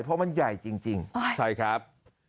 เพราะมันใหญ่จริงใช่ครับ